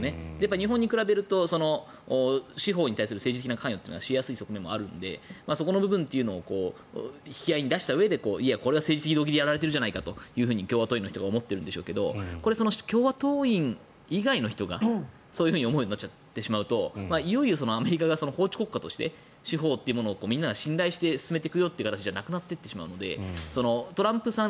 日本に比べると司法に対する政治的な関与というのはしやすい側面もあるのでそこの部分というのを引き合いに出したうえでこれは政治的動機でやられてるんじゃないかと共和党員の方は思っているでしょうが共和党員以外の人がそういうふうに思うようになるといよいよアメリカが法治国家として司法というものをみんなが信頼して進めていくよという形じゃなくなってしまうのでトランプさん